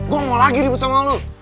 gue mau lagi ribut sama lo